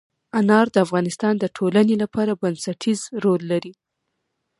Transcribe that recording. انار د افغانستان د ټولنې لپاره بنسټيز رول لري.